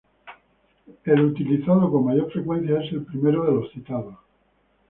El utilizado con mayor frecuencia es el primero de los citados.